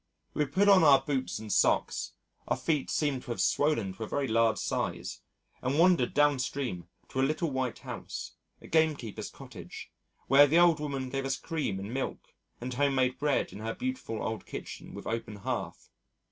We put on our boots and socks (our feet seemed to have swollen to a very large size) and wandered downstream to a little white house, a gamekeeper's cottage, where the old woman gave us cream and milk and home made bread in her beautiful old kitchen with open hearth.